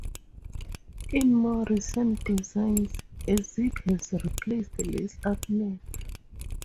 In more recent designs, a zip has replaced the lace-up neck.